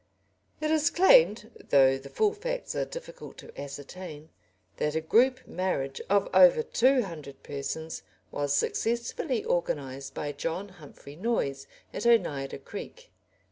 It is claimed though the full facts are difficult to ascertain that a group marriage of over two hundred persons was successfully organised by John Humphrey Noyes at Oneida Creek.